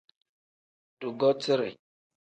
Dugotire.